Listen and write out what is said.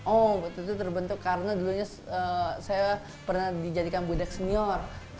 oh waktu itu terbentuk karena dulunya saya pernah dijadikan budak senior